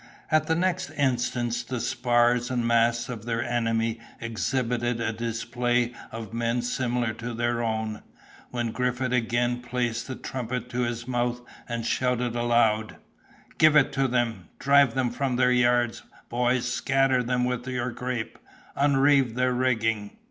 At the next instant the spars and masts of their enemy exhibited a display of men similar to their own, when Griffith again placed the trumpet to his mouth, and shouted aloud— "Give it to them; drive them from their yards, boys, scatter them with your grape—unreeve their rigging!"